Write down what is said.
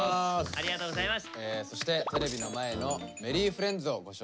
ありがとうございます。